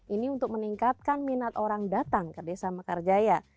ini untuk meningkatkan minat orang datang ke desa mekarjaya